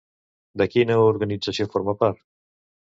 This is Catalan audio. De quina organització forma part?